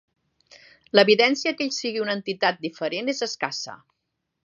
L'evidència que ell sigui una entitat diferent és escassa.